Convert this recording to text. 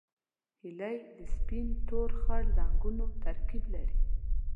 هیلۍ د سپین، تور، خړ رنګونو ترکیب لري